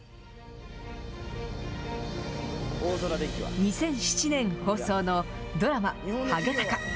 ２００７年放送の、ドラマ、ハゲタカ。